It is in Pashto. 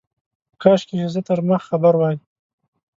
کاشکي چي زه تر مخ خبر وای.